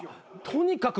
とにかく？